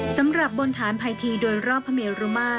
สำหรับบนฐานภายทีโดยรอบพระเมรุมาตร